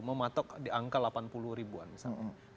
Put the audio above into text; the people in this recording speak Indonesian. mematok di angka delapan puluh ribuan misalnya